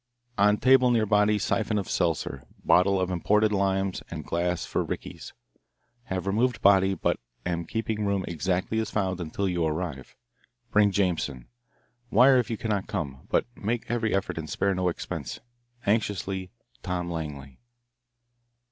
On table near body siphon of seltzer, bottle of imported limes, and glass for rickeys. Have removed body, but am keeping room exactly as found until you arrive. Bring Jameson. Wire if you cannot come, but make every effort and spare no expense. Anxiously, Tom Langley."